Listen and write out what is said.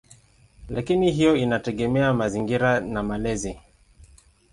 Lakini hiyo inategemea mazingira na malezi.